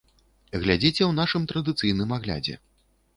Глядзіце ў нашым традыцыйным аглядзе.